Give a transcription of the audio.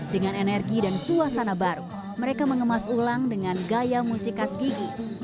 dengan energi dan suasana baru mereka mengemas ulang dengan gaya musik khas gigi